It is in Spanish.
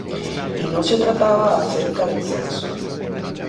Y no se trataba acerca del sexo.